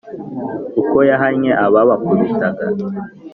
uko yahannye ababakubitaga ?